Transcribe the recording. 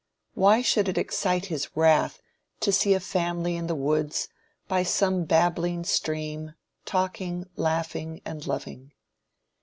Why should it excite his wrath to see a family in the woods, by some babbling stream, talking, laughing and loving?